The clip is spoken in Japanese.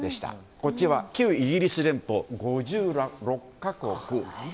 こっちは旧イギリス連邦５６か国。